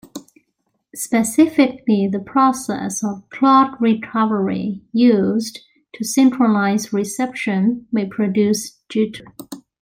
Specifically the process of clock recovery used to synchronize reception may produce jitter.